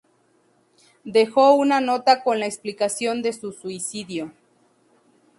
Dejó una nota con la explicación de su suicidio.